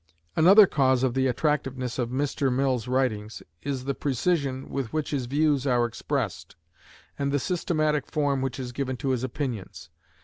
Another cause of the attractiveness of Mr. Mill's writings is the precision with which his views are expressed, and the systematic form which is given to his opinions.